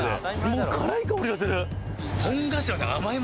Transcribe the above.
もう辛い香りがするなのよ